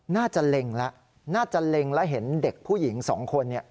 น่าจะเล็งแล้วน่าจะเล็งแล้วเห็นเด็กผู้หญิงสองคน